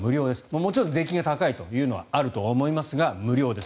もちろん税金が高いというのはあると思いますが無料です。